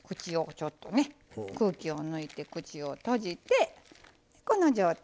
ちょっとね空気を抜いて口を閉じてこの状態。